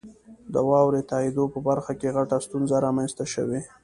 د واورئ تائیدو په برخه کې غټه ستونزه رامنځته شوي.